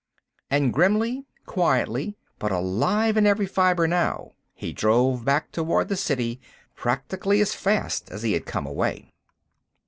And grimly, quietly, but alive in every fiber now, he drove back toward the city practically as fast as he had come away.